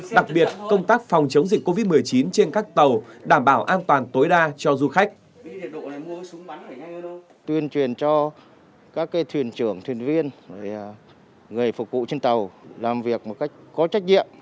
đặc biệt công tác phòng chống dịch covid một mươi chín trên các tàu đảm bảo an toàn tối đa cho du khách